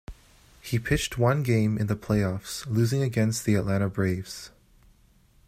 He pitched one game in the playoffs, losing against the Atlanta Braves.